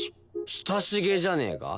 親しげじゃねえか？